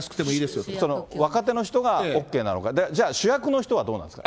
若手の人がＯＫなのか、じゃあ主役の人はどうなんですか？